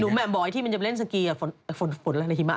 หนูแบบบ่อยที่มันจะเล่นสกีฝนอะไรหิมะตก